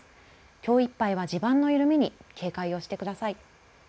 きょういっぱいは地盤の緩みに警戒をしてください。